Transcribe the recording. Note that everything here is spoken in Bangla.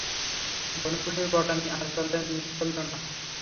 বনফুলের বটানি আর চলল না।